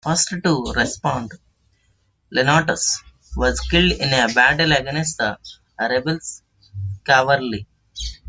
The first to respond, Leonnatus, was killed in a battle against the rebels' cavalry.